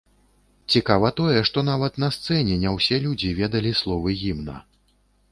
Цікава тое, што нават на сцэне не ўсе людзі ведалі словы гімна.